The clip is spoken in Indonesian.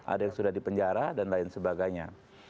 ada yang sudah dipenjara dan lain sebagainya